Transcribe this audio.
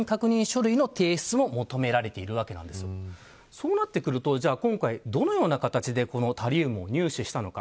そうなってくると今回、どのような形でこのタリウムを入手したのか。